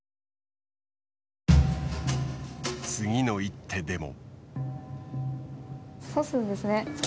次の一手でも。